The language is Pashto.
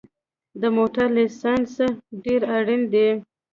د موټر لېسنس ډېر اړین دی